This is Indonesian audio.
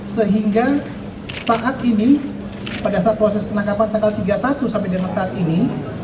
sehingga saat ini pada saat proses penangkapan tanggal tiga puluh satu sampai dengan saat ini